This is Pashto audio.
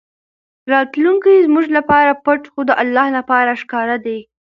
راتلونکی زموږ لپاره پټ خو د الله لپاره ښکاره دی.